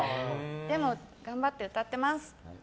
でも、頑張って歌ってます！